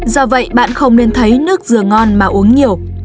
do vậy bạn không nên thấy nước dừa ngon mà uống nhiều